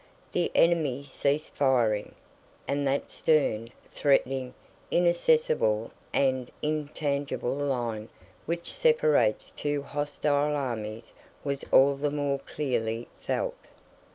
The enemy ceased firing, and that stern, threatening, inaccessible, and intangible line which separates two hostile armies was all the more clearly felt.